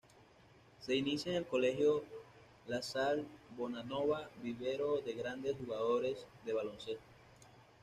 Se inicia en el Colegio La Salle Bonanova, vivero de grandes jugadores de baloncesto.